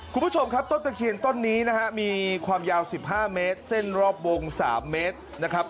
คุณผู้ชมครับต้นตะเคียนต้นนี้นะฮะมีความยาว๑๕เมตรเส้นรอบวง๓เมตรนะครับ